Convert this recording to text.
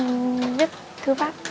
mình viết thư pháp